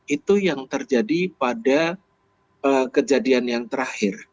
itu yang terjadi pada kejadian yang terakhir